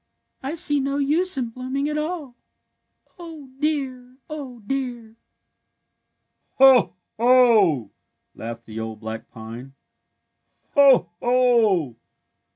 I see no use in blooming at aU. Oh, dear! Oh, dear! "Ho! Ho! " laughed the old black pine. '^ Ho! Ho!